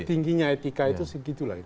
tingginya etika itu segitulah